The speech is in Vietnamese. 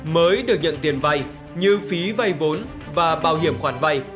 mới được nhận tiền vay như phí vay vốn và bảo hiểm khoản vay